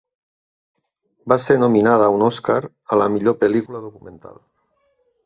Va ser nominada a un Oscar a la millor pel·lícula documental.